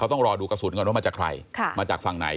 ต้องรอดูกระสุนก่อนว่ามาจากใครมาจากฝั่งไหน